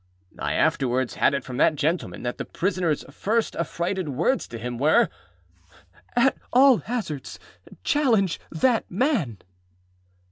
I afterwards had it from that gentleman, that the prisonerâs first affrighted words to him were, â_At all hazards_, challenge that man!